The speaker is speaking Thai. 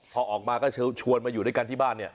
พอออกมาก็ชวนมาอยู่ด้วยกันที่บ้านเนี่ย